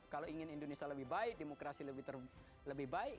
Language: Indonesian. kalau ingin indonesia lebih baik demokrasi lebih baik